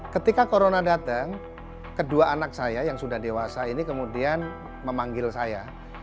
ketika corona datang kedua anak saya yang sudah dewasa ini kemudian memanggil saya